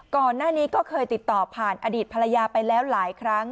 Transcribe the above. ก่อนหน้านี้ก็เคยติดต่อผ่านอดีตภรรยาไปแล้วหลายครั้ง